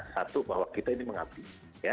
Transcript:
satu bahwa kita ini mengabdi